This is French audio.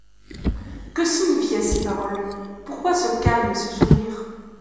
Que signifiaient ces paroles ? pourquoi ce calme et ce sourire ?